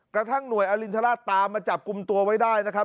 กระทั่งหน่วยอรินทราชตามมาจับกลุ่มตัวไว้ได้นะครับ